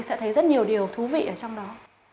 sẽ thấy rất nhiều điều thú vị ở trong đó